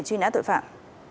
truy nã tội phạm